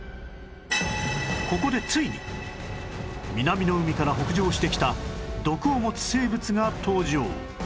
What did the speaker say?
ここでついに南の海から北上してきた毒を持つ生物が登場